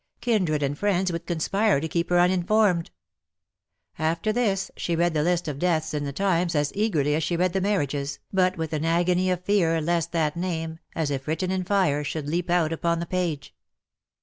Kindred and friends would conspire to keep her uninformed. After this she read the list of deaths in the Times as eagerly as she read the marriages, but with an agony of fear lest that name, as if written in fire, should leap out upon the page.